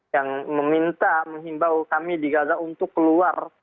yang meminta menghimbau kami di gaza untuk keluar